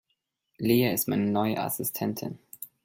Lea ist meine neue Assistentin.